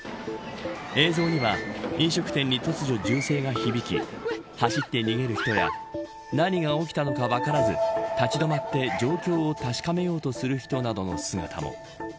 映像には飲食店に突如、銃声が響き走って逃げる人や何が起きたのか分からず立ちどまって状況を確かめようとする人の姿も。